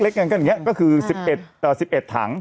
เล็กอย่างนี้ก็คือ๑๑ถัง